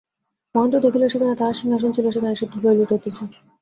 মহেন্দ্র দেখিল, যেখানে তাহার সিংহাসন ছিল সেখানে সে ধুলায় লুটাইতেছে।